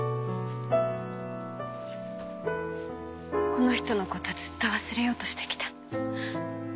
この人の事ずっと忘れようとしてきた。